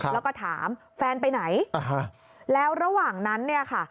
แล้วก็ถามแฟนไปไหนแล้วระหว่างนั้นเนี่ยค่ะ